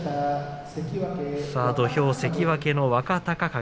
土俵上は関脇の若隆景。